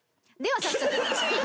では早速。